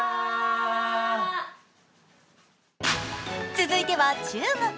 続いては中国。